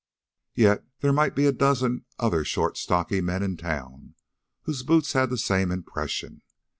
Yet there might be a dozen other short, stocky men in town, whose boots had the same impression.